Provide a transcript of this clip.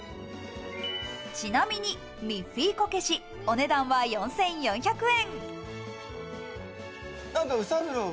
ちなみにミッフィーこけし、お値段は４４００円。